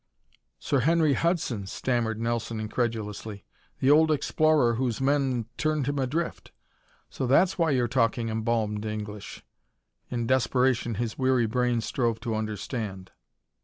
"Sir Henry Hudson!" stammered Nelson incredulously. "The old explorer whose men turned him adrift? So that's why you're talking embalmed English!" In desperation his weary brain strove to understand.